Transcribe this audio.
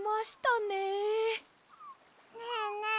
ねえねえ